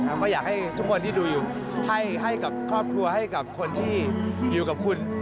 ก็อยากให้ทุกคนที่ดูอยู่ให้กับครอบครัวให้กับคนที่อยู่กับคุณ